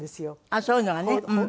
ああそういうのがね。